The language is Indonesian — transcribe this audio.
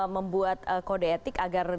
membuat kode etik agar